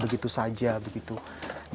ditinggalkan begitu saja